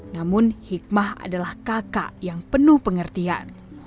namun hikmah adalah kakak yang penuh pengertian